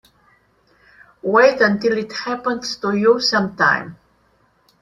Wait until it happens to you sometime.